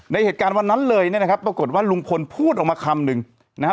ในเหตุการณ์วันนั้นเลยเนี่ยนะครับปรากฏว่าลุงพลพูดออกมาคำนึงนะฮะ